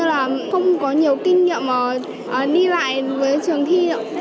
thứ ba là hầu như là không có nhiều kinh nghiệm đi lại với trường thi ạ